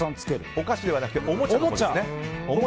お菓子ではなくておもちゃなんですね。